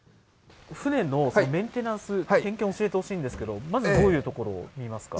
船のメンテナンス、点検教えてほしいんですけれども、まずどういうところを見ますか。